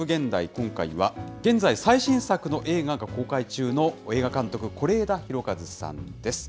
今回は現在最新作の映画が公開中の映画監督、是枝裕和さんです。